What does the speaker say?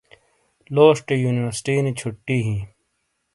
لوشٹے یونیورسٹی نی چھٹی ہی